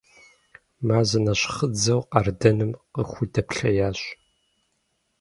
Мазэ нэщхъыдзэу къардэным къыхудэплъеящ.